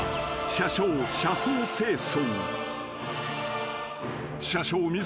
車掌車窓清掃。